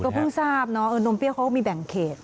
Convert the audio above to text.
เพิ่งทราบเนอะนมเปี้ยเขามีแบ่งเขต